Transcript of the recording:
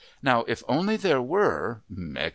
Now if only there were...," etc.